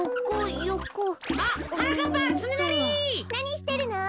なにしてるの？